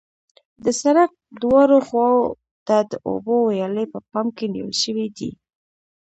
د سرک دواړو خواو ته د اوبو ویالې په پام کې نیول شوې دي